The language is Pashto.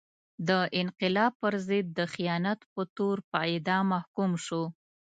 د انقلاب پر ضد د خیانت په تور په اعدام محکوم شو.